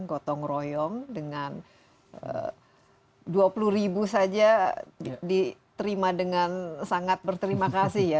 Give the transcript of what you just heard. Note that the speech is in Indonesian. gotong royong dengan dua puluh ribu saja diterima dengan sangat berterima kasih ya